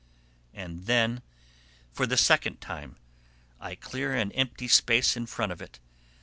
And then for the second time I clear an empty space in front of it.